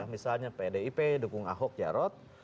misalnya pdip dukung ahok jarot